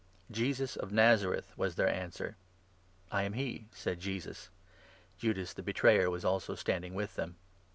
" "Jesus of Nazareth," was their answer. 5 " I am he," said Jesus. (Judas, the betrayer, was also standing with them.)